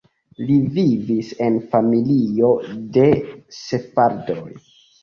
Li vivis en familio de sefardoj.